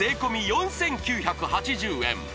４９８０円